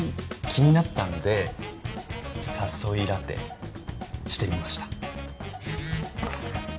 気になったんで誘いラテしてみました。